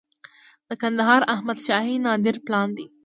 د کندهار احمد شاهي د نادر پلان دی